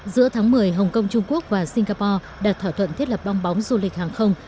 giữa tháng một mươi hồng kông trung quốc và singapore đặt thỏa thuận thiết lập bong bóng du lịch hàng không